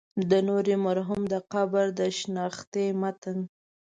د نوري مرحوم د قبر د شنختې متن.